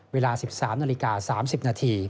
เวลา๑๓น๓๐น